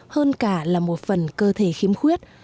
hơn cả là một phần cơ thể khiếm khuyết